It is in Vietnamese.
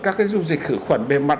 các cái dung dịch khử khuẩn bề mặt